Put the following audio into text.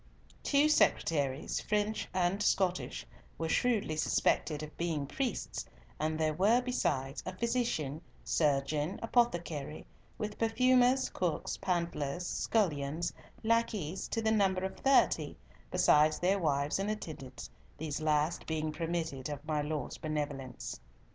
Two secretaries, French and Scottish, were shrewdly suspected of being priests, and there were besides, a physician, surgeon, apothecary, with perfumers, cooks, pantlers, scullions, lacqueys, to the number of thirty, besides their wives and attendants, these last being "permitted of my lord's benevolence."